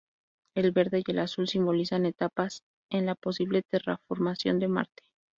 El verde y el azul simbolizan etapas en la posible "terraformación de Marte".